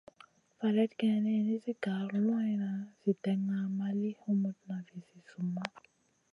Faleyd geyni, nizi gar luanʼna zi dena ma li humutna vizi zumma.